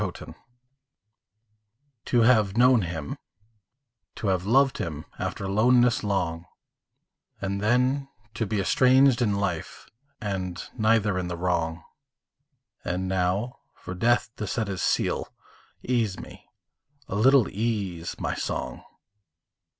MONODY To have known him, to have loved him After loneness long; And then to be estranged in life, And neither in the wrong; And now for death to set his sealâ Ease me, a little ease, my song!